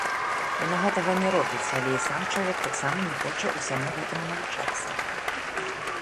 Яна гэтага не робіць, але і сам чалавек таксама не хоча ўсяму гэтаму навучацца.